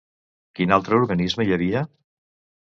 Quin altre organisme hi havia?